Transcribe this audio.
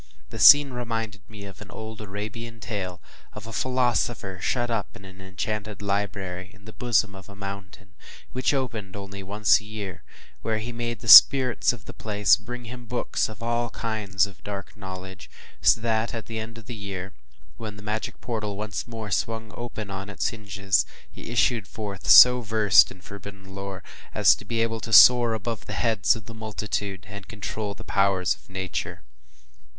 The scene reminded me of an old Arabian tale, of a philosopher shut up in an enchanted library, in the bosom of a mountain, which opened only once a year; where he made the spirits of the place bring him books of all kinds of dark knowledge, so that at the end of the year, when the magic portal once more swung open on its hinges, he issued forth so versed in forbidden lore, as to be able to soar above the heads of the multitude, and to control the powers of Nature.